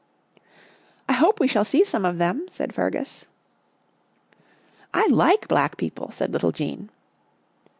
" I hope we shall see some of them," said Fergus. " I like black people," said little Jean.